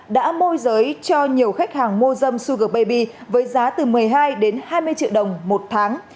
đã môi giới cho nhiều khách hàng mua dâm suger baby với giá từ một mươi hai đến hai mươi triệu đồng một tháng